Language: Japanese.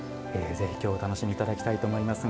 ぜひ今日お楽しみいただきたいと思います。